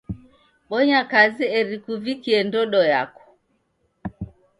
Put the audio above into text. Bonya kazi eri kuvikie ndodo yako.